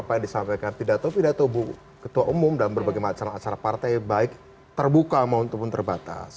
apa yang disampaikan pidato pidato ketua umum dalam berbagai macam acara partai baik terbuka maupun terbatas